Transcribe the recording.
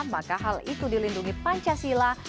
maka hal itu dilindungi pancasila